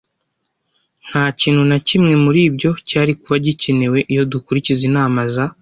Nta na kimwe muri ibyo cyari kuba gikenewe iyo dukurikiza inama za